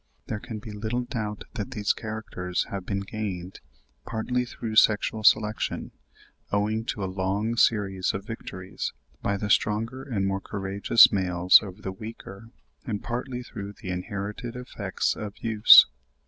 There can be little doubt that these characters have been gained, partly through sexual selection, owing to a long series of victories, by the stronger and more courageous males over the weaker, and partly through the inherited effects of use.